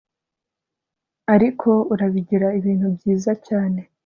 ariko urabigira ibintu byiza cyane